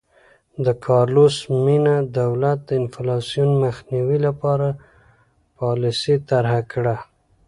د کارلوس مینم دولت د انفلاسیون مخنیوي لپاره پالیسي طرحه کړه.